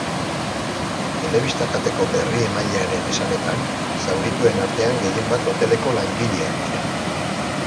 Telebista kateko berriemailearen esanetan, zaurituen artean gehienbat hoteleko langileak dira.